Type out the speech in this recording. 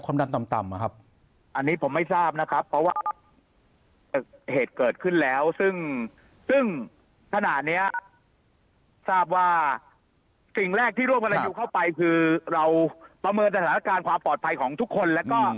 ความดันต่ำต่ำอ่ะครับอันนี้ผมไม่ทราบนะครับเพราะว่าเหตุเกิดขึ้นแล้ว